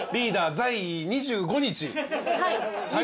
在２５日。